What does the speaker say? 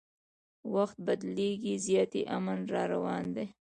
وخت بدلیږي زیاتي امن راروان دی